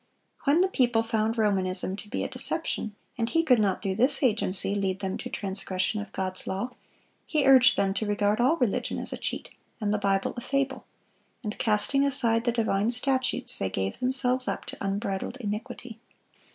When the people found Romanism to be a deception, and he could not through this agency lead them to transgression of God's law, he urged them to regard all religion as a cheat, and the Bible a fable; and casting aside the divine statutes, they gave themselves up to unbridled iniquity.